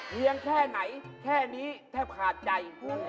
แค่ไหนแค่นี้แทบขาดใจ